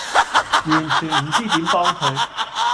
完全唔知點幫佢